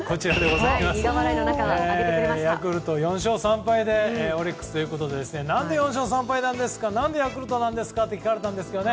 ヤクルト４勝３敗でオリックスということで何で４勝３敗なのか何でヤクルトなのかと聞かれたんですけど